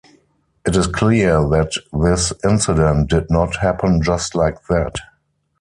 It is clear that this incident did not happen just like that.